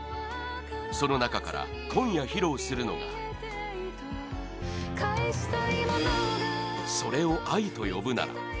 その中から今夜、披露するのが「それを愛と呼ぶなら」